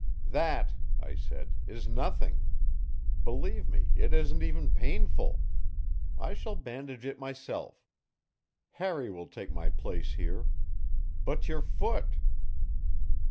"That," I said, "is nothing. Believe me, it isn't even painful. I shall bandage it myself; Harry will take my place here. But your foot?"